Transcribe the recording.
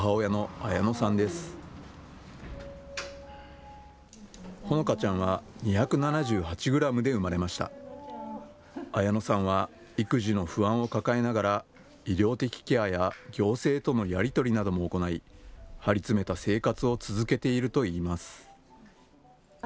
あやのさんは育児の不安を抱えながら医療的ケアや行政とのやり取りなども行い、張り詰めた生活を続けているといいます。